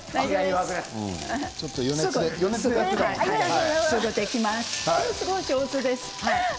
すごい上手です。